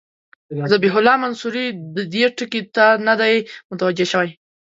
ذبیح الله منصوري دې ټکي ته نه دی متوجه شوی.